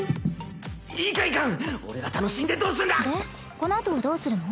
このあとどうするの？